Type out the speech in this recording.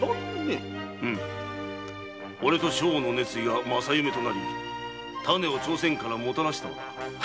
オレと将翁の熱意が正夢となり種を朝鮮からもたらしたのだ。